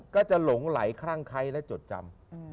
ก็จะหลงไหลคลั่งไคร้และจดจำ